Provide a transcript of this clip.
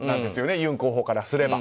ユン候補からすれば。